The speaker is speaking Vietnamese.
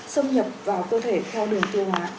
xâm nhập vào cơ thể theo đường tiêu hóa